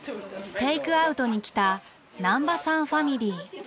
テイクアウトに来た南波さんファミリー。